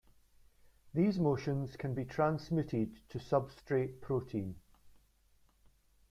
These motions can be transmitted to substrate protein.